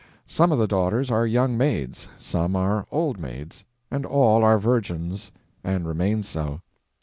Some of the daughters are young maids, some are old maids, and all are virgins and remain so.